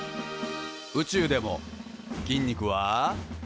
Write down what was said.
宇宙でも筋肉は。